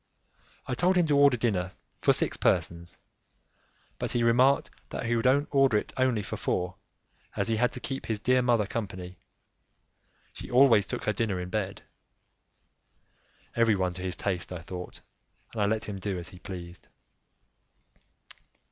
I told him to order dinner for six persons, but he remarked that he would order it only for four, as he had to keep his dear mother company; she always took her dinner in bed. Everyone to his taste, I thought, and I let him do as he pleased.